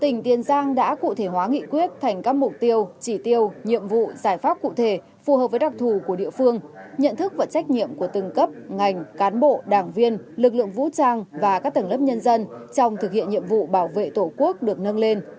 tỉnh tiền giang đã cụ thể hóa nghị quyết thành các mục tiêu chỉ tiêu nhiệm vụ giải pháp cụ thể phù hợp với đặc thù của địa phương nhận thức và trách nhiệm của từng cấp ngành cán bộ đảng viên lực lượng vũ trang và các tầng lớp nhân dân trong thực hiện nhiệm vụ bảo vệ tổ quốc được nâng lên